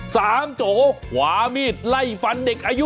สามจ๋อขวามีดไล่ฟันเด็กอายุ๑๔